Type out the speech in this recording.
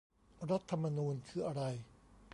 รัฐธรรมนูญคืออะไร ?